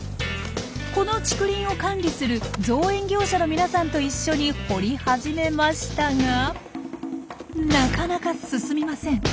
この竹林を管理する造園業者の皆さんと一緒に掘り始めましたがなかなか進みません。